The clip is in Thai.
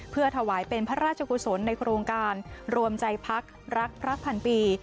เพื่อถวายเป็นพระราชกุศลในโครงการรวมใจพักรักพระพันปี